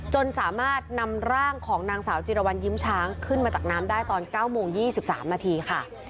จนสามารถนำร่างของนางสาวจิรวรรณยิ้มช้างขึ้นมาจากน้ำได้ตอน๙โมง๒๓นาทีค่ะ